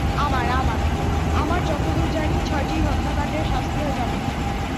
আমার যতদূর জানি, ছয়টি হত্যাকাণ্ডের শাস্তি হয় যাবজ্জীবন।